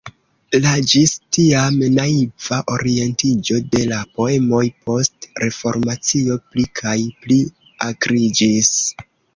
La ĝis tiam naiva orientiĝo de la poemoj post Reformacio pli kaj pli akriĝis.